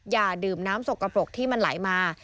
อย่าดื่มน้ำสกปรกที่มันไหลมา